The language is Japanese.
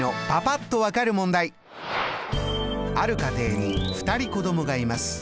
ある家庭に２人子どもがいます。